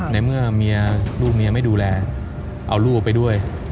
ในเมื่อลูกเมียไม่ดูแลเอาลูกไปด้วย